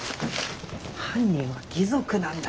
犯人は義賊なんだ。